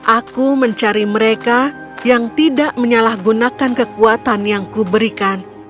aku mencari mereka yang tidak menyalahgunakan kekuatan yang kuberikan